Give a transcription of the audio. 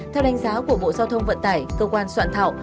theo đánh giá của bộ giao thông vận tải cơ quan soạn thảo